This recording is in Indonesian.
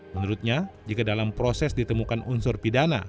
menurutnya jika dalam proses ditemukan unsur pidana